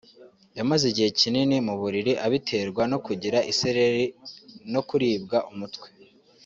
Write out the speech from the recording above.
yamaze igihe kinini mu buriri abiterwa no kugira isereri no kuribwa umutwe